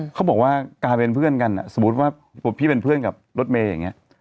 เขาบอกว่ากลายเป็นเพื่อนกันสมมุติว่าพี่เป็นเพื่อนกับรถเมย์อย่างนี้